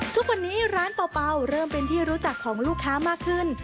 ทุกวันนี้ร้านเป่าเริ่มเป็นที่รู้จักของลูกค้ามากขึ้น